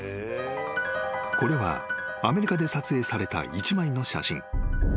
［これはアメリカで撮影された一枚の写真］